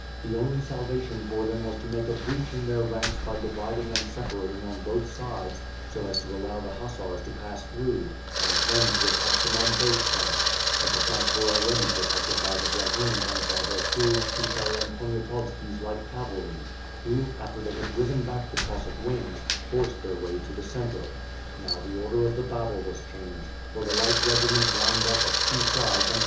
The only salvation for them wae to make a breach in their itanks by dividing and separating on both sides so as to allow the hussars to pass through, and then to attack them on both flanks, but the flanks w^re already protected by the dragoons and by Vyershul, Kushel and Poniatovski's light cavalry, who, after they had driven back the Cossack wings, forced their way to the center. Now the order of the battle was changed; for the light regiments lined up at two sides and Wirn FIRE AND SWORD.